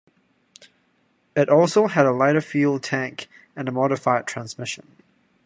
It also had a lighter fuel tank and a modified transmission.